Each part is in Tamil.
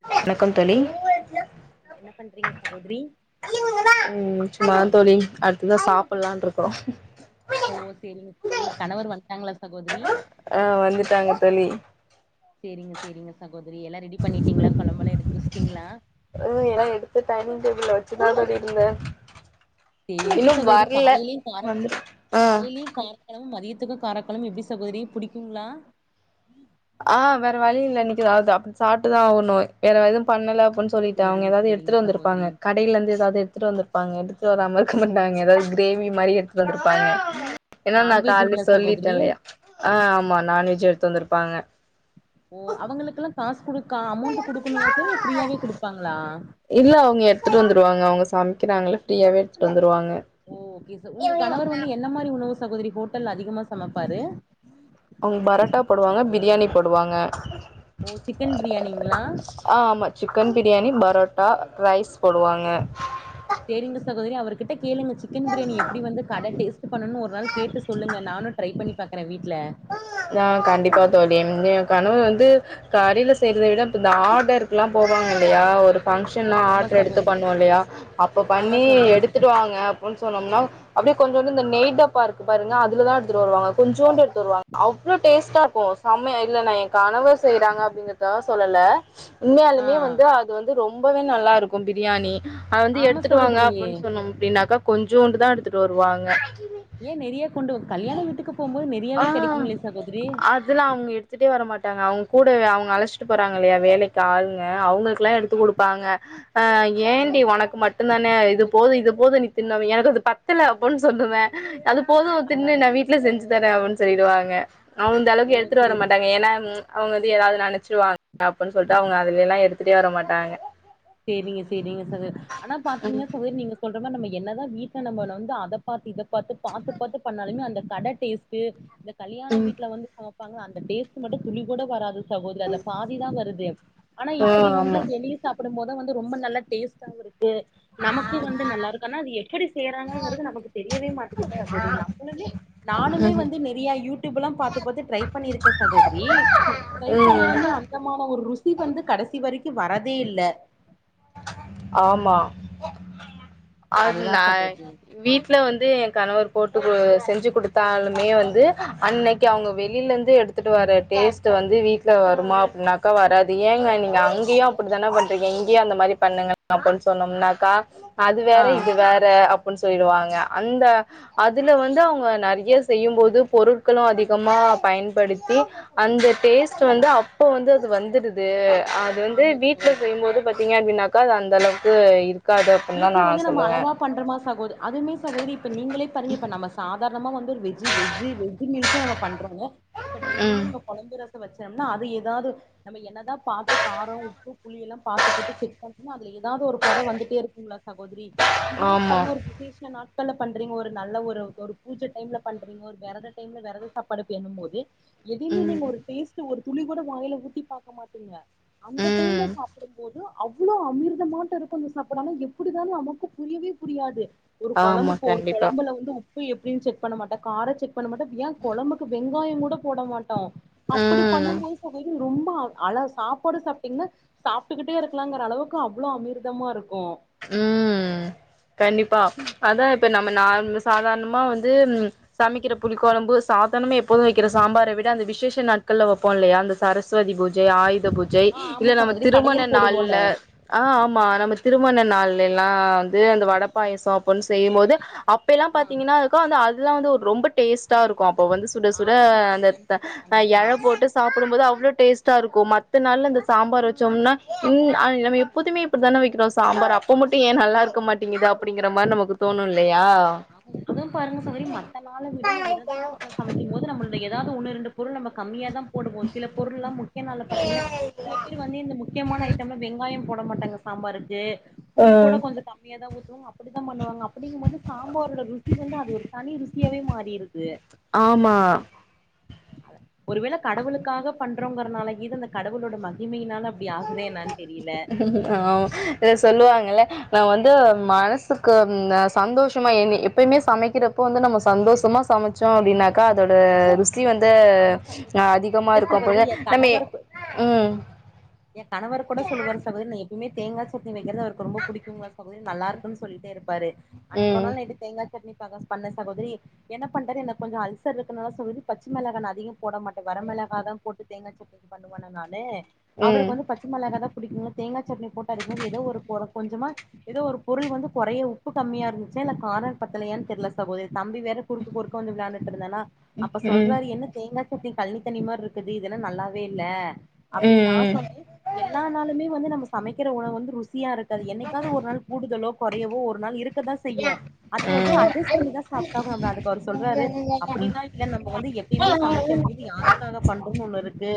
சகோதரி வணக்கம் தோழி என்ன பண்றீங்க சகோதரி உம் சும்மாதா தோழி அடுத்துதா சாப்புலான் இருக்கோ ஓ செரிங்க உங்க கணவர் வந்துட்டாங்களா சகோதரி ஆ வந்துட்டாங்க தோழி செரிங்க செரிங்க சகோதரி எல்லா ரெடி பண்ணிட்டீங்களா கொழம்பல்லா எடுத்து வஸ்டீங்களா உ எல்லா எடுத்து டைனிங் டேபுள வச்சுதா தோழி இருந்த செ எப்டி இன்னு சகோதரி வர்ல காலையிலயும் கார ஆ காலையிலயும் கார கொழம்பும் மதியத்துக்கு காரக்கொழம்பும் எப்டி சகோதரி புடிக்குங்களா ஆ வேற வழி இல்ல இன்னைக்குதாவது அப்டி சாப்ட்டுதான் ஆகணும் வேற எதுவும் பண்ணல அப்டின் சொ சொல்லிட்டு அவுங்க சேரிங்க ஏதாவ்து சேரிங்க எடுத்துட்டு வந்திருப்பாங்க சகோதரி க கடையில ஏதாவ்து எடுத்துட்டு வந்திருப்பாங்க எடுத்துட்டு வரமா இருக்க மாட்டாங்க ஏதாவ்து கிரேவி மாரி எடுத்துட்டு வந்துருப்பாங்க ஏன்னா நா காலே நான்வெஜ்ஜுங்களா சொல்லிட்டேன் சகோதரி இல்லையா ஆ ஆமா நான்வெஜ் எடுத்து வந்திருப்பாங்க ஓ அவங்களுக்குெல்லாம் காசு குடுக்கா அமௌண்ட் குடுக்கணுங்க சார் ஃப்ரீயாவே கொடுப்பாங்களா இல்ல அவுங்க எடுத்துட்டு வந்துருவாங்க அவுங்க சமைக்கிறாங்கள ஃப்ரீயாவே எடுத்துட்டு வந்துருவாங்க ஓ ஓகே ச உங்கஸகணவர் வந்து என்ன மாரி உணவு சகோதரி ஹோட்டல்ல அதிகமா சமைப்பாரு அவுங்க பரோட்டா போடுவாங்க பிரியாணி போடுவாங்க ஓ சிக்கன் பிரியாணிங்களா ஆ ஆமா சிக்கன் பிரியாணி பரோட்டா ரைஸ் போடுவாங்க சேரிங்க சகோதரி அவர்கிட்ட கேளுங்க சிக்கன் பிரியாணி எப்டி வந்து கட டேஸ்ட்டு பண்ணணுன்னு ஒரு நாள் கேட்டு சொல்லுங்க நானு ட்ரை பண்ணி பாக்கறே வீட்ல ஆ கண்டிப்பா தோழி ம் யே கணவர் வந்து கடைல செய்றத விட இப்ப இந்த ஆடர் க்லா போவாங்க இல்லையா ஒரு ஆ ஃபங்க்ஷன்னா ஆமா ஆர்ட்ரு எடுத்து சகோதரி பண்ணுவோ இல்லையா அப்ப ஆமா பண்ணி சகோதரி எடுத்துட்டு வாங்க ன்னு சொன்னோம்னா அப்டியே கொஞ்சோண்டு இந்த நெய் டப்பா இருக்கு பாருங்க அதுலதா எடுத்துட்டு வருவாங்க கொஞ்சோண்டு எடுத்து வருவாங் அவ்ளோ டேஸ்ட்டா இருக்கு செமையா இல்ல நா யேன் கணவர் செய்யறாங்க அப்டிங்கறதுக்காக சொல்லல ஆ உண்மையாலுமே வந்து அது வந்து ரொம்பவே நல்லா இருக்கு பிரியாணி அது வந்து ஆமா எடுத்துட்டு வாங்க சகோதரி அப்டின் சொன்னோ அப்டின்னாக்க கொஞ்சோண்டுதா எடுத்துட்டு வருவாங்க ஏ நெறையா கொண்டு கல்யாண வீட்டுக்கு போம்போது நெ ஆ அ தெல்லா அவங்க எடுத்துட்டே வர மாட்டாங்க அவங்க கூட அவங்க அழச்சிட்டு போறாங்க இல்லையா வேலக்கி ஆளுங்க அவங்களுக் லா எடுத்து ஆ குடுப்பாங்க ஆ ஓ ஏண்டி ஒனக்கு மட் டுந்தான இது போது இது போது நீ தின்னு அப்பி எனக்கு அது பத்தல அப்போன்னு சொல்லுவே அது போது ஆ தின்னு நா வீட்ல செஞ்சு தரே அப்டினு சொல்லிடுவாங்க அந்த ஓ அளவுக்கு எடுத்துட்டு வர சேரி மாட்டாங்க ஏன்னா ம் அவங்க வந்து ஏதாவது நெனைச்சிருவாங்க அப்டின்னு சொல்ட்டு அவங்க அதுல எல்லா எடுத்துட்டே வர மாட்டாங்க சேரிங்க சேரிங்க சகோதரி ஆனா ம் பாத்தீங்ன்னா சகோதரி நீங்க சொல்ற மாரி நம்ம என்னதா வீட்ல நம்மல்லா வந்து அத பாத்து இத பாத்து பாத்து பாத்து பண்ணாலுமே அந்த கட டேஸ்ட்டு இந்த கல்யாண வீட்ல வந்து சமைப்பாங்க அந்த டேஸ்ட்டு மட்டு துளி கூட வராது சகோதரி அதுல பாதிதா வருது ஆனா ஆ இப்பிடி வந்து ஆமா வெளிய சாப்புடும்போதுதா வந்து ரொம்ப நல்ல டேஸ்டாவு இருக்கு நமக்கு வந்து நல்லா இருக்கு ஆனா அது எப்பிடி செய்யறாங்கங்கிறது நமக்கு தெரியவே மாட்டேங்கிது சகோதரி நம்மளுமே நானுமே வந்து நெறையா யூடியூப் எல்லா பாத்து பாத்து ட்ரை பண்ணியிருக்கே சகோதரி ட்ரை ம் பண்ணாலுமே அந்த மார ஒரு ருசி வந்து கடைசி வரைக்கு வரதே இல்ல ஆமா அது அதுதா நா சகோதரி வீட்ல வந்து என் கணவர் போட்டு செஞ்சு குடுத்தாலுமே வந்து அன்னைக்கி அவங்க வெளில இருந்து எடுத் துட்டு வர டேஸ்ட்டு வந்து வீட்ல வருமா அப்டினாக்கா வராது ஏங்க நீங்க அங்கயு அ ப்டிதான பண்றீங்க இங்கயு அந்த மாரி பண்ணுங்க அப்டின்னு சொன்னம்னாக்கா அது ஆ வேற இது வேற அ ப்டின்னு சொல்லிருவாங்க அந்த அதுல வந்து அவங்க நெறைய செய்யும்போது பொருட்களு அதிகமா பயன்படுத்தி அந்த டேஸ்ட்டு வந்து அப்ப வந்து அது வந்துருது அ து வந்து ஆமா வீட்ல சகோதரி செய்யும்போது பாத்தீங்க அப்டின்னாக்கா அது அந்த அளவுக்கு இருக்காது அப்டின்னுதா நா சொல்லுவே பண்றமா சகோத அதுமே சகோதரி இப்ப நீங்களே பாருங்க இப்ப நம்ம சாதாரணமா வந்து ஒரு வெஜ்ஜு வெஜ்ஜு வெஜ் மீல்ஸ் ஸே நம்ம பண்றோன்னு இப்ப ம் டெய்லியுமே நம்ம கொழம்பு ரசோ வச்சோம்னா அது ஏதாவது நம்ம என்னதா பாத்து காரோ உப்பு புளி எல்லா பாத்து பாத்து செக் பண்ட்டோம்னா அதுல எதாவது ஒரு கொற வந்துட்டே இரு கும்ல சகோதரி இதுவே ஆமா பாருங்க ஒரு விசேஷ நாட் கள்ல பண்றீங்க ஒரு நல்ல ஒரு ஒரு பூஜ டைம்ல பண்றீங்க ஒரு வெரத டைம்ல வெரத சாப்பாடு பேணும் போது எதயுமே நீங்க ம் ஒரு டேஸ்ட்டு ஒரு துளி கூட வாயில ஊத்தி பாக்க மாட்டீங்க அந்த டைம்ல ம் சாப்புடும் போது அவ்ளோ அமிர்தமாட்டோ இருக்கு அந்த சாப்பாடு ஆனா எப் பிடிதான்னு நமக்கு புரியவே புரியாது ஒரு கொழம்பு ஆமா போ ஒரு கண்டிப்பா கொழம்புல வந்து உப் பு எப்டின்னு செக் பண்ண மாட்டோ கார செக் பண்ண மாட்டோ யேன் கொழம்புக்கு வெங்காயங் கூட போட மாட் டோ அப்பிடி ம் பண்ணும் போது சகோதரி ரொம்ப அள சாப்பாடு சாப்ட்டீங்ன்னா சாப்ட்டுக்கிட்டே இருக்கலாங்கிற அளவுக்கு அவ்ளோ அமிர்தமா இருக்கு ம் கண்டிப்பா அதா இப்ப நம்ம நார் சாதாரணமா வந்து சமைக்கிற புளி கொழம்பு சாதனாமே எப்போது வைக்கிற சாம்பார விட அந்த விசேஷ நாட்கள்ல வப்போ இல்லயா அந்த சரஸ்வதி பூஜை ஆயுத பூஜை ஆ ஆமா இல்ல நம்ம சகோதரி திருமண படையல் நாள்ல போடுவோல ஆ ஆம்மா நம்ம திருமண நாள்லலா இது அந்த வட பாயசோ அப்பன் செய்யும்போது அப்பலா ஆ பாத்தீங்ன்னா க்கு வந்து அதுதா வந்து ரொம்ப டேஸ்ட்டா இருக்கு அப்ப வந்து சுட சுட ஆமா சகோதரி அந்த கண்டிப்பா த கண்டிப்பா எல போட்டு சாப்புடும் போது அவ்ளோ டேஸ்ட்டா இருக்கு மத்த நாள்ல இந்த சாம்பார் வச்சோம்னா ன் ஆ நம்ம எப்போதுமே இப்டித்தான வக்கிறோ சாம்பார் அப்போ மட்டு ஏ நல்லா இருக்க மாட்டிங்குது அப்டிங்கிற மாரி நமக்கு தோணு இல்லயா அதுவு பாருங்க சகோதரி மத்த நாள விட இந்த விரத நாட்கள வைக்கும் போது நம்மளுடய ஏதாது ஒன்னு ரெண்டு பொருள் நம்ம கம்மியா தா போடுவோ சில பொருள்லா முக்கிய நாள்ல பாத்தீங்னா சில பேர் வந்து இந்த முக்கியமான ஐட்டம்ல வெங்காய போட மாட்டாங்க சாம்பாருக்கு புளி கூட ஆஹ் கொஞ்ச கம்மியா தா ஊத்துவோ அப்டிதா பண்ணுவாங்க அப்டிங்கும் போது சாம்பாரோட ருசி வந்து அது ஒரு தனி ருசியாவே மாறிருது ஆமா ஒருவேள கடவுளுக்காக பண்றோங்கறனால கீது அந்த கடவுளோட மகிமையினால அப்டி ஆகுதா என்னன் ஆமா ஏதோ சொல்லுவாங்கள்ல நா வந்து மனசுக்கு ம் சந்தோஷமா என் ன எப்பயுமே சமைக்கிறப்போ வந்து நம்ம சந்தோஷமா சம ச்சோ அப்டின்னாக்கா அதோட ருசி வந்து ஆமா சகோதரி அ அதிகமா இல்ல இருக்கும் சகோதரி போதே என் நம்ம ம் எங் கணவரு கூட சொல்லுவாரு சகோதரி நா எப் பவுமே தேங்கா சட்னி வக்கிறது அவருக்கு ரொம்ப புடிக்குங்ளா சகோதரி நல்லாருக்குன் சொல்லிட்டே இருப்பாரு அன்னைக்கொரு ம் நாள் நைட்டு தேங்கா சட்னி சஜஸ் பண்ண சகோதரி என்ன பண்ட்டாரு எனக்கு கொஞ்ச அல்சர் இருக்கனாலே சகோதரி பச்ச மிளகா நா அதிகம் போட மாட்டே வர மிளகாதா போட்டு தேங்கா சட்னிபண்ணுவனா நானு ம் அவருக்கு வந்து பச் ச மொளகா தா புடிக்குங்ளா தேங்கா சட்னி போட்டு அரைக்கும் போது ஏதோ ஒரு ஒனக் கொஞ்சமா ஏதோ ஒரு பொருள் வந்து கொறைய உப்பு கம்மியா இருந்துச்சா இல்ல கார பத்தலயா தெர்ல சகோதரி தம்பி வேற குறுக்கு குறுக்க வந்து விளான்ட்டுட் இருந்தானா அப்ப ம் சொல்றாரு என்ன தேங்கா சட்னி கழ்னி தண்ணி மாரி இருக்குது இதென்ன நல்லாவே இல்ல ம் அப்டின்னு நா சொன்னே எல்லா நாளுமே வந்து நம்ம சமைக்கிற உணவு வந்து ருசியா இருக்காது என்னைக்காவது ஒரு நாள் கூடுதலோ கொறையவோ ஒரு நாள் இருக்கதா செய்யு அது வந்து அட்ஜஸ் பண்ணிதா சாப்ட்டாகு அதுக்கு அவரு சொல்றாரு ம் அப்டினா இல்ல நம்ம வந்து எப்பயுமே சமைக்கும் போது யாருக்காக பண்றோனு ஒன்னு இருக்கு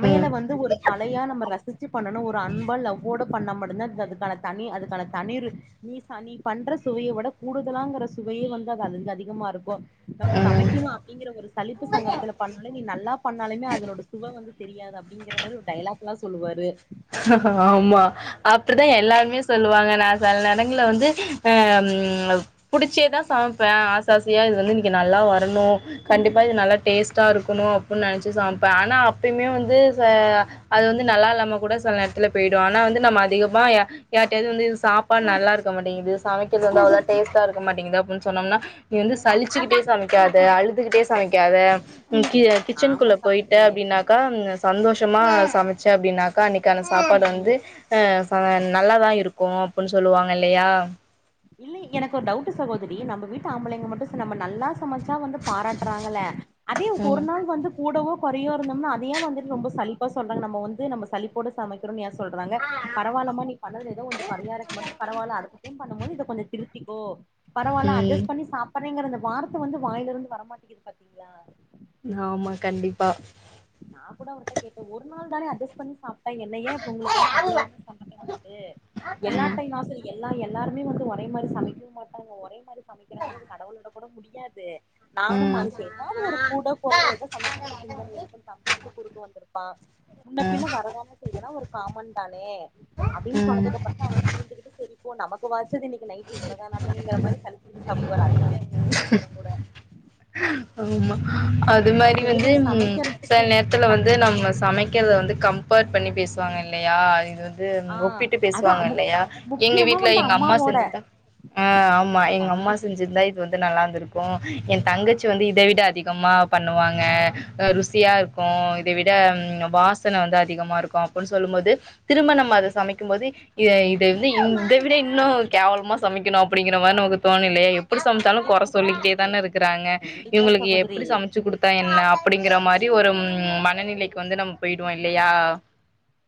ம் வ ந்து ஒரு கலையா நம்ம ரசிச்சு பண்ணணு ஒரு அன்பா லவ்வோட பண்ணா மட்டு தா அதுக்கான தனி அதுக்கான தனிரு நீ ச நீ பண்ற சுவைய விட கூடுதலாங்கற சுவையே வந்து அது அதுந்து அதிகமா இருக்கு நம்ம ம் ம் சமைக்கணு அப்டிங்கிற ஒரு சளிப்பு சங்கடத்துல பண்ணாலே நீ நல்லா பண்ணாலுமே அதனோட சுவ வந்து தெரியாது அப்டிங்கிற மாரி ஒரு டைலாக்லா சொல்லுவாரு ஆம்மா அப்டி தா எல்லாருமே சொல்லுவாங்க நா செல் நேரங்கள்ல வந்து அ ம் புடிச்சே தா சமப்பே ஆச ஆசையா இது வந்து இன்னிக்கு நல்லா வரணு கண்டிப்பா இது நல்லா டேஸ்ட்டா இருக்கணு அப்ன்னு நெனச்சு சமப்பே ஆனா அப்பயுமே வந்து ச அது வந்து நல்லா இல்லாம கூட செல நேரத்துல போயிடு ஆனா வந்து நம்ம அதிகமா யார்ட்டாவது வந்து இது சாப்பாடு நல்லாருக்க மாட்டேங்குது சமைக்கிறது வந்து அவ்ளோ டேஸ்ட்டா இருக்க மாட்டேங்குது அப்புன் சொன்னம்னா நீ வந்து சளிச்சுக்கிட்டே சமைக்காத அழுதுகிட்டே சமைக்காத ம் கி ஆமா கிச்சன்க்குள்ள போயிட்ட சகோதரி அப்டின்னாக்கா ம் சந்தோஷமா சமைச்சே அப்டின்னாக்கா அன்னைக் க்கான சாப்பாடு வந்து அ நல்லாதா இருக்கும் அப்டின்னு சொல்லுவாங்க இல்லயா இல்லலை எனக்கு ஒரு டவுட் சகோதரி நம்ம வீட்டு ஆம்பளைங்க மட்டும் நம்ம நல்லா சமைச்சா வந்து பாராட்டுறாங்கள அதே ஒரு ம் நாள் வந்து கூடவோ குறையோ இருந்தோம்ன்னா அதைய வந்துட்டு ரொம்ப சழிப்பா சொல்றாங்க நம்ம வந்து நம்ம சலிப்போட சமைக்குறோன்னு எய சொல்றாங்க பரவாயில்லமா நீ பண்ணதுல ஏதோ கொஞ்ச குறையா இருக்குமாட்டு பரவில்ல அடுத்த டைம் பண்ணும் போது இத கொஞ்ச திருத்திக்கோ பரவல்ல ம் அ்ஜஸ் பண்ணி சாப்பட்டு சாப்புரங்குற வார்த்த வந்து வாயில இருந்து வரமாட்டிங்குது பாத்தீங்களா ஆமா கண்டிப்பா நா கூட அவர்ட்ட கேட்ட ஒரு நாள் தான அடஜஸ்ட் பண்ணிப் சாப் என்னைய இப்ப உங்களுக்கு அவ்வளோ என்ன சொன்ன வந்துட்டு ம் எல்லாத்தையு எல்லா எல்ல எல்லாருமே வந்து ஒரே மாதிரி சமைக்க வு மாட்டாங்க ஒரே மாதிரி சமைக்கிற வந்து அது கடவுளா கூட முடியாது நானு மனுஷிதா எதாவது ஒரு கூட குறைய சமைக்கும் ஒரு சிந்தனை இருக்கும்ன்னு தம்பி இது குறுக்க வந்திருப்பா முன்ன பின்ன வரதான செய்ததுனா ஒரு காமன் தானே அப்படின்னு ம் சொன்னதுக்கு ம் அப்பற தா அவர் புரிஞ்சிகிட்டு சரிப்போ நமக்கு இப்ப வாச்சது இன்னிக்கு நைட்டு இவளோ நாட்டுக்குங்குற மாதி சலுச்சிகிட்டு சாப்புடுவாரு அதியுமே நம்ம சொன்னதுக்குப்பற கூட ம்ம் ஆமா அது நா மாதிரி வந்து சொல்லுவே சில சமைக்கிறதுக்கு நேரத்துல ச வந்து நம்ம சமைக்கரத வந்து கம்பர் பண்ணி பேசுவாங்க இல்லயா அ இது இது ஆ ஒப்பிட்டு அதா பேசுவாங்க முக் இல்லையா எங்க முக்கியமா வீட்டுல வந்து எங்க அம்மா அம்மாவோட செஞ்சதா ஆ ஆமா எங்க அம்மா கண்டிப்பா செஞ்சிருந்தா நல்லாந்து இருக்கும் எய தங்கச்சி வந்து இத விட அதிகமா பண்ணுவாங்க ருசியா இருக்கும் இத விட வாசன வந்து அதிகமாக இருக்கும் அப்டின்னு சொல்லும் போது திரும்ப நம்ப அத சமைக்கும் போது இத இத வந்து இத விட இன்னு கேவலமா சமைக்கணும் அப்டிங்கிற மாதிரி நமக்கு தோணுல்லயா எப்டி சமைச்சாலு குறை கண்டிப்பா சொல்லிட்டே சகோதரி தான இருக்குறாங்க கண்டிப்பா இவங்களுக்கு சகோதரி எப்டி சமைச்ச ச்சு கொடுத்தா என்ன அப்டிங்கர மாதிரி ஒரு ம்ம் மனநிலைக்கு வந்து நம்ம போயிடுவோ இல்லயா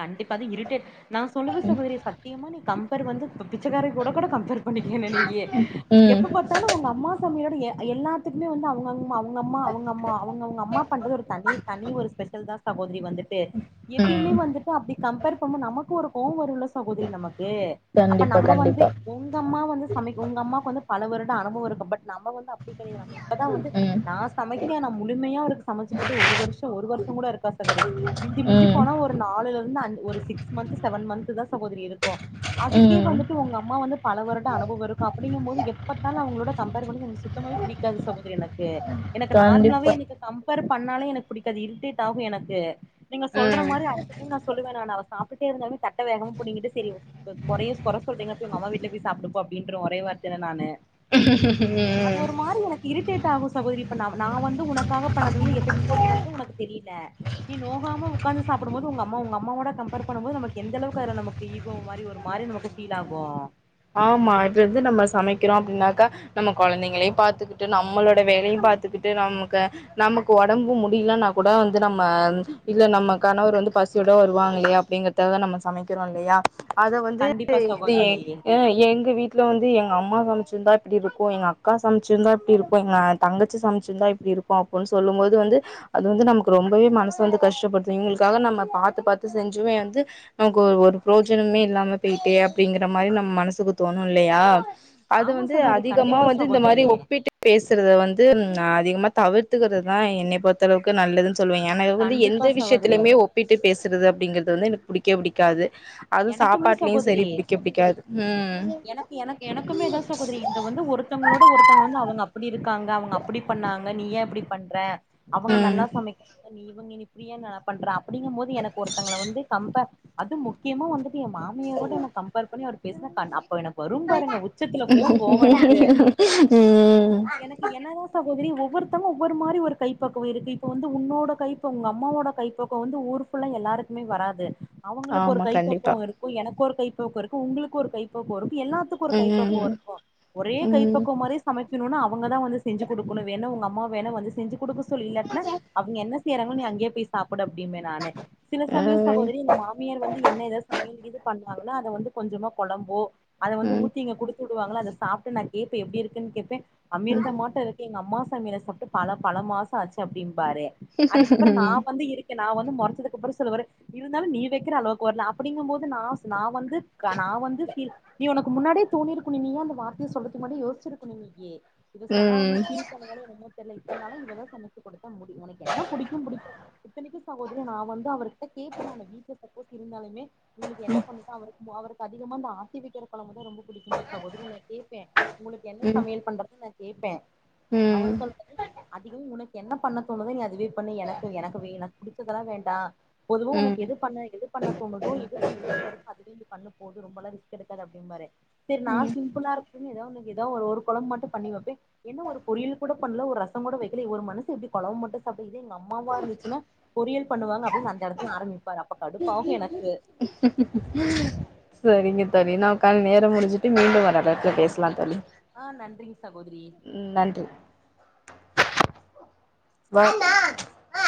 கண்டிப்பா அது இரிட்டேட் நா சொல்லுவ சகோதரி சத்தியமா நீ கம்பேர் வந்து பிச்சைக்கார கூட கூட கம்பேர் பண்ணிக்க நெனைக்க ம் எப்ப பாத்தாலு அவங்க அம்மா சமையல் எல்லாத்துக்குமே வந்து அவங்க அவங்க அவுங்க அம்மா அவங்க அம்மா அவங்க அவங்க அம்மா பண்றது ஒரு தனி தனி ஒரு ஸ்பெஷல் தா சகோதரி வந்து எப்பயுமே ம் வந்துட்டு அப்படி கம் கம்ப பண்ணோ நமக்கு ஒரு கோப வருல்ல சகோதரி நமக்கு அப்ப கண்டிப்பா நம்ம வந்து கண்டிப்பா உங்க அம்மா வந்து சமைக்க உங்க அம்மாவுக்கு வந்து பல வருட அனுபவம் இருக்கும் பட் நம்ம வந்து அப்டி கிடையாது நம்ம இப்பதா வந்து ம் நா சமைக்க நா முழுமையா அவருக்கு சமைச்சு போட்டு ஒரு வருஷ ஒரு வருஷ கூட இருக்காது சகோதரி மிஞ்சி மிஞ்சி ம் போனா ஒரு நாலுல இரு ந்து ஒரு சிக்ஸ் மந்த் செவன் மந்த தா சகோதரி இருக்கும் அதுக்கே ம் வந்துட்டு உங்க அம்மா வந்து பல வருட அனுபவ இருக்கும் அப்டிங்கும் போது எப்பபாத்தாலு அவங்களோட கம்பர் பண்ண சுத்தமாக பிடிக்கது சகோதரி எனக்கு எனக்கு நார்மலாவே கண்டிப்பா எனக்கு கம்பேர் பண்ணாலே எனக்கு பிடிக்காது இரிட்டேட் ஆகு எனக்கு நீங்க சொல்ற மாதிரி ம் அடுத்த சொல்லுவ நா அவ சாப்பிட்டே இருந்தாலே தட்ட வேகமா புடிங்கிட்டு சேரி குறையும் குறை சொல்றீங்க போய் உங்கம்மா வீட்ல போய் சாப்புடு போ அப்டின்ற ஒரே வார்த்தையில நானு அது ம் ஒரு மாதிரி எனக்கு இரிட்டேட் ஆகும் சகோதரி இப்ப ந நா வந்து உனக்காக பண்ணதுல வந்து எஃபெக்ட் எஃபோர்ட் பண்ணது உனக்கு தெரியல நீ நோகாம உக்காந்து சாப்புடும் போது உங்க உங்க அம்மாவோட கம்பேர் பண்ணும் போது நமக்கு எந்தளவுக்கு அதுல நம்ம ஈகோ மாதி ஒரு மாதிரி நமக்கு ஃபீல் ஆகு ஆமா இது வந்து நம்ம சமைக்கிறோ அப்டின்னாக்கா நம்ம கொழந்தைங்களையு பாத்துக்கிட்டு நம்மளோட வேலையு பாத்துக்கிட்டு நமக்கு நமக்கு ஒடம்பு முடியலன்னா கூட வந்து நம்ம இல்ல நம்ம கணவர் வந்து பசியோட வருவாங்கலே அப்டிங்கிறதுக்காக நம்ம சமைக்கிறோ இல்லையா அத வந்து கண்டிப்பா இதுயே சகோதரி எங்க வீட்ல வந்து எங்க அம்மா சமைச்சிந்தா இப்டி இருக்கு எங்க அக் அக்கா சமைச்சிருந்தா இப்டி இருக்கு எங்க தங்கச்சி சமைச்சிருந்தா இப்டி இருக்கு அப்டின்னு சொல்லும் போது வந்து அது வந்து நமக்கு ரொம்பவே மனசு வந்து கஷ்டப்படுது இவங்களுக்காக நம்ம பாத்து பாத்து செஞ்சுமே வந்து நமக்கு ஒரு ஒரு புரோஜனமே இல்லாம போயிட்டே அப்டிங்கற மாரி நம்ம மனசுக்கு தோணு இல்லயா அது ஆமா வந்து சகோதரி அதிகமா கண்டிப்பா வந்து இந்த மாரி சகோதரி ஒப்பிட்டு பேசுறத வந்து அதிகமா தவிர்த்துக்கிறதுதா என்னயே பொறுத்தளவுக்கு நல்லது சொல்வ ஏனா வந்து கண்டிப்பா எந்த சகோதரி விஷயத்துலையுமே ஒப்பிட்டு பேசுறது அப்டிங்கிறது வந்து எனக்கு புடிக்கவே புடிக்காது அது எனக்குமே சாப்பாட்லயு சரி சகோதரி புடிக்கவே புடிக்காது ம் எனக்கு எனக்கு எனக்குமே தா சகோதரி இந்த வந்து ஒருத்தவங்களோட ஒருத்தங்க வந்து அவங்க அப்படி இருக்காங்க அவங்க அப்படி பண்ணாங்க நீ ஏ இப்டி பண்ற அவங்க ம் நல்லா சமைக் நீ இவங்க இப்டியே நல்லா பண்ற அப்படிங்கும் போது எனக்கு ஒருத்தங்கள வந்து கம்பேர் அது முக் முக்கியமாக வந்துட்டு எ மாமியாரோட என கம்பேர் பண்ணி அவர் பேசுனா பா அப்போ எனக்கு வரும் பாருங்க உச்சத்தில கோவங்கோவ எனக்கு ம் எனக்கு என்னதா சகோதரி ஒவ்வொருத்தவ ஒவ்வொரு மாரி ஒரு கைப்பக்கவு இருக்கு இப்ப வந்து உன்னோட கைப் இப்ப உங்க அம்மாவோட கைப்பக்குவு வந்து ஊரு ஃபுல்லா எல்லாருக்குமே வராது அவங்களுக்கு ஒரு ஆமா கண்டிப்பா கைப்பக்குவோ எனக்கு ஒரு கைப்பக்குவ இருக்கு உங்களுக்கு ஒரு கைப்பக்குவ இருக்கு எல்லாத்துக்கு ஒரு ம் கைப்பக்குவ ம் இருக்கு ஒரே ம் கைப்பக்குவ மாரி சமைக்கணுனா அவங்க தா வந்து செஞ்சு கொடுக்கணு வேணா உங்க அம்மா வேணா வந்து செஞ்சி கொடுக்க சொல்லு இல்லாட்னா அவங்க என்ன எரவு நீ அங்கே போய் சாப்புடு அப்டின்பே நானு சில ஆ சமயம் சகோதரி இந்த மாமியார் வந் என்ன ஏத சமையல் இது பண்றங்கள அத வந்து கொஞ்சமா கொழம்போ அத வந்து ம் ஊத்தி இங்க குடுத் வுடுவாங்கள அத சாப்ட்டு நா கேப்ப நா எப்டி இருக்குன்னு கேப்ப அமிர்தமாட்ட இரு எங்க அம்மா சமையல சாப்ட்டு பல பல மாசம் ஆச்சு அப்படிம்பாரு அதுக்கப்புற நா ம் வந்து இரு நா வந்து மொறச்சதுக்குப்புறோ சொல்லுவாரு இருந்தாலு நீ வைக்கிற அளவுக் வரல அப்படிங்கும் போது நாஸ் நா வந்து நா வந்து ஃபீல் நீ உனக்கு முன்னாடியே தோணிருக்கு நீய அந்த வார்த்தைய சொல்றதுக்கு முன்னாடி யோசிச்சிருக்குணு நீயே இத சொன்னா வந்து ம் ஃபீல் பண்ண என்னமோ தெரில இத்தனால இவதா சமைச்சு கொடுத்தா முடி உனக்கு என்ன பிடிக்கும் பிடிக்கா இத்தனைக்கு சகோதரி நா வந்து அவர்கிட்ட கேக்க நானு வீட்ல சம ச்சு இருந்தாலுமே உங்களுக்கு என்ன பண்ணுத அவ அவருக்கு அதிகமா ஆட்டிவக்கிற கொழம்புதா ரொம்ப புடிக்குமா சகோதரி நா கேப்பே உங்களுக்கு என்ன ம் சமையல் பண்றதுன்னு நா கேப்பே அவரு ம் சொல்றது அதிக உனக்கு என்ன பண்ண தோணுதோ நீ அதுவே பண்ணு எனக்கு எனக்குவே எனக் புடிச்சதல்லா வேண்டா பொதுவ உனக்கு ம் எது பண்ண எது பண்ண தோணுதோ எது பண்ண ஈஸியா இருக்கு அதுவே வந்து பண்ண போது ரொம்பல்லா ரிஸ்க் எடுக்காத அப்டின்பாரு சரி நா சிம்பிளா இருக்கடுனு ஏதாவது ஒன்னு ஏதா ஒரு குழம்ப மட்டு பண்ணிவப்பே என்ன ஒரு பொரியல் கூட பண்ல ஒரு ரச கூட வைக்கல ஒரு மனுச எப்டி கொழம்பு மட்டு அப்ப இதே எங்க அம்மாவா இருந்துச்சுனா பொியல் பண்ணுவாங்க அப்டின்னு அந்த எடத்துல ஆரம்பிப்பாரு அப்ப கடுப் சரிங்க தோழி நாமகா நேரம் முடிஞ்சிட்டு மீண்டும் வரல பேசலாம் தோழி ஆ நன்றிங்க சகோதரி ம் நன்றி வா